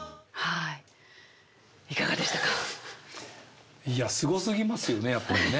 いやすごすぎますよねやっぱりね。